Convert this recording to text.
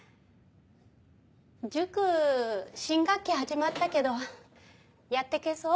塾新学期始まったけどやってけそう？